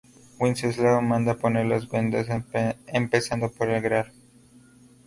Wenceslao manda poner las vendas empezando por el Gral.